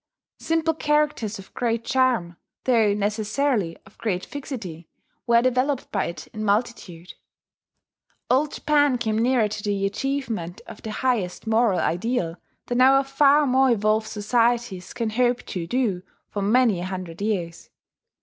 Simple characters of great charm, though necessarily of great fixity, were developed by it in multitude. Old Japan came nearer to the achievement of the highest moral ideal than our far more evolved societies can hope to do for many a hundred years.